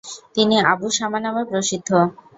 তিনি আবু শামা নামে প্রসিদ্ধ।